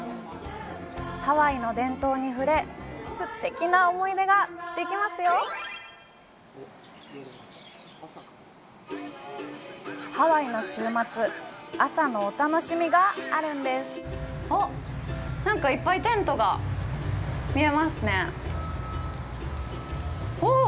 ハワイの伝統に触れすてきな思い出ができますよハワイの週末朝のお楽しみがあるんですおっなんかいっぱいテントが見えますねおぉ！